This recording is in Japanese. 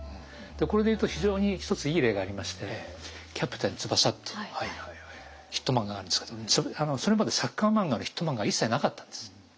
これで言うと非常に一ついい例がありまして「キャプテン翼」っていうヒット漫画があるんですけどそれまでサッカー漫画のヒット漫画は一切なかったんです。